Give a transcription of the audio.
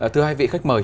thưa hai vị khách mời